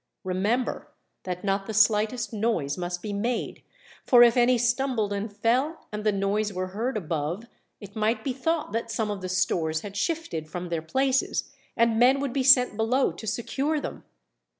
Remember that not the slightest noise must be made, for if any stumbled and fell, and the noise were heard above, it might be thought that some of the stores had shifted from their places, and men would be sent below to secure them.